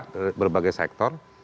dari berbagai sektor